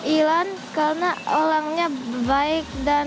ilan karena orangnya baik dan